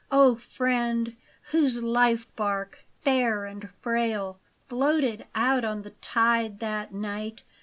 O friend ! whose life barque, fair and frail. Floated out on the tide that night.